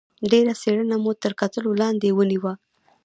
ډېره څېړنه مو تر کتلو لاندې ونیوه.